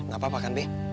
gak apa apa kan be